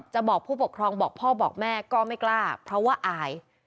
บอกผู้ปกครองบอกพ่อบอกแม่ก็ไม่กล้าเพราะว่าอาย